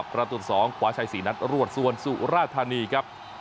ประตู๒ขวาชัย๔นัดรวดส่วนสุราธานีครับ